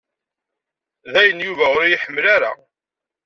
Dayen Yuba u iyi-ḥemmel ara.